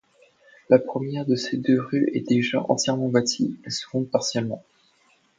La première de ces deux rues est déjà entièrement bâtie, la seconde partiellement.